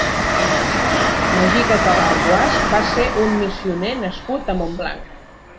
Magí Català i Guasch va ser un missioner nascut a Montblanc.